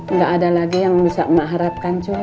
nggak ada lagi yang bisa emak harapkan cuy